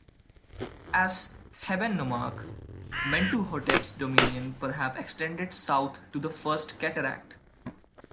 As Theban nomarch, Mentuhotep's dominion perhaps extended south to the first cataract.